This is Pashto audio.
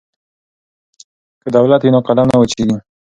که دوات وي نو قلم نه وچیږي.